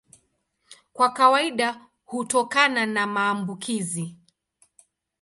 Kwa kawaida hutokana na maambukizi.